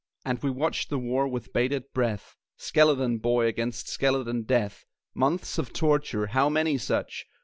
And we watched the war with bated breath Skeleton Boy against skeleton Death. Months of torture, how many such!